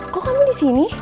kok kamu disini